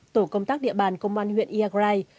tổ công tác địa bàn công an huyện yagrai